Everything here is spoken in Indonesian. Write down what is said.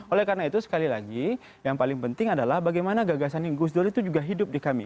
oleh karena itu sekali lagi yang paling penting adalah bagaimana gagasan gus dur itu juga hidup di kami